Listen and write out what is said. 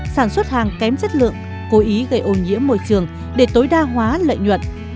sản xuất hàng kém chất lượng cố ý gây ô nhiễm môi trường để tối đa hóa lợi nhuận